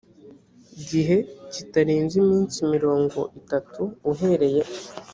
gihe kitarenze iminsi mirongo itatu uhereye